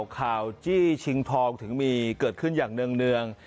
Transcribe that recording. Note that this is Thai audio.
ข่าวจี้ชิงทองถึงมีเกิดขึ้นอย่างเนื่อง